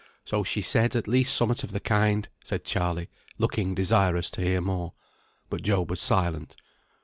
"So she said; at least somewhat of the kind," said Charley, looking desirous to hear more. But Job was silent.